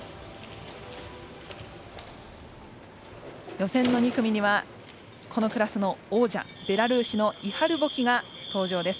予選の２組にはこのクラスの王者ベラルーシのイハル・ボキが登場です。